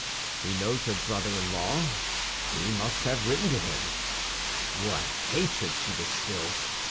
He knows her brother in law. He must have written to him. What hatred she distills!